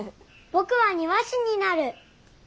ぼくは「庭師」になる。